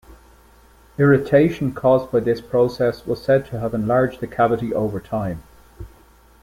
Irritation caused by this process was said to have enlarged the cavity over time.